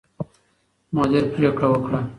مدیر پرېکړه وکړه.